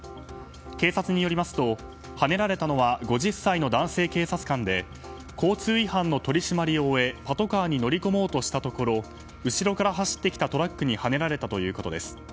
警察によりますとはねられたのは５０歳の男性警察官で交通違反の取り締まりを終えパトカーに乗り込もうとしたところ後ろから走ってきたトラックにはねられたということです。